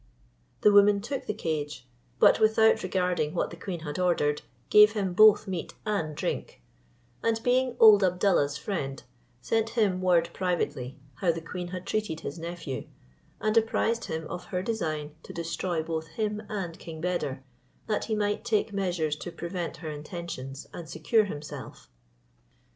The woman took the cage, but without regarding what the queen had ordered, gave him both meat and drink; and being old Abdallah's friend, sent him word privately how the queen had treated his nephew, and apprised him of her design to destroy both him and King Beder, that he might take measures to prevent her intentions, and secure himself.